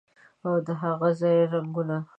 او د هاغه ځای رنګونه